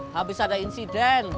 habis ada insiden